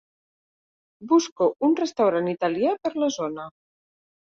Busco un restaurant italià per la zona.